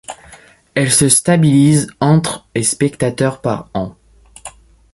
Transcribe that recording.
Elle se stabilise entre et spectateurs par an.